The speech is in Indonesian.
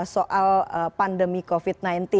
soal pandemi covid sembilan belas